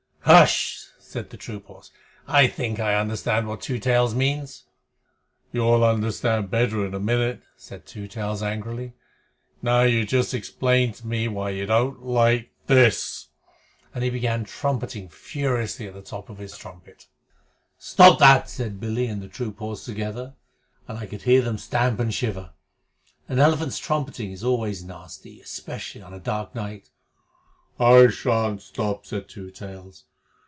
"H'sh!" said the troop horse. "I think I understand what Two Tails means." "You'll understand better in a minute," said Two Tails angrily. "Now you just explain to me why you don't like this!" He began trumpeting furiously at the top of his trumpet. "Stop that!" said Billy and the troop horse together, and I could hear them stamp and shiver. An elephant's trumpeting is always nasty, especially on a dark night. "I shan't stop," said Two Tails.